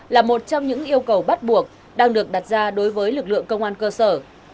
là một trong những yêu cầu bắt buộc đang được đặt ra đối với lực lượng công an cơ sở